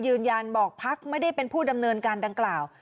ยืนยันบอกพักไม่ได้เป็นผู้ดำเนินการดังกล่าว